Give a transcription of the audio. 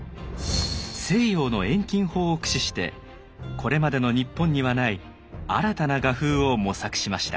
西洋の遠近法を駆使してこれまでの日本にはない新たな画風を模索しました。